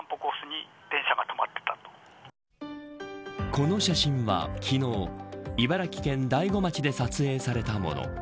この写真は昨日茨城県大子町で撮影されたもの。